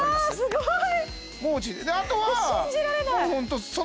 すごい！